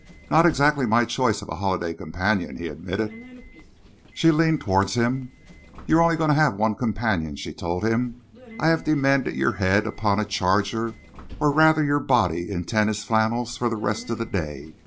"Not exactly my choice of a holiday companion," he admitted. She leaned towards him. "You are only going to have one companion," she told him. "I have demanded your head upon a charger or rather your body in tennis flannels for the rest of the day.